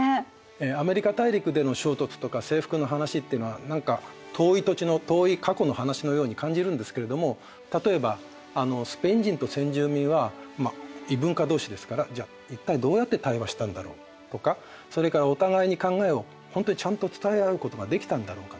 アメリカ大陸での衝突とか征服の話っていうのは何か遠い土地の遠い過去の話のように感じるんですけれども例えばスペイン人と先住民は異文化同士ですからじゃあ一体どうやって対話したんだろうとかそれからお互いに考えをほんとにちゃんと伝え合うことができたんだろうかとか。